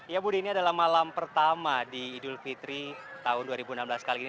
ya budi ini adalah malam pertama di idul fitri tahun dua ribu enam belas kali ini